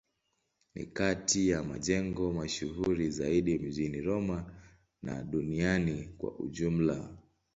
Ni kati ya majengo mashuhuri zaidi mjini Roma na duniani kwa ujumla.